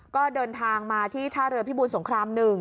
ก็เดินทางมาที่ท่าเรือพิบูรสงคราม๑